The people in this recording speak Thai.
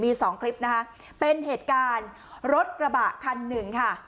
มี๒คลิปนะคะเป็นเหตุการณ์รถกระบะคัน๑ค่ะ